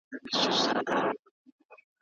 په هغه وخت کي برېښنا نه وه.